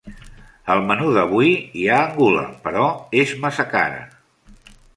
Al menú d'avui hi ha angula, però és massa cara.